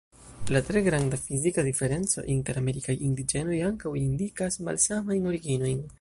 La tre granda fizika diferenco inter la amerikaj indiĝenoj ankaŭ indikas malsamajn originojn.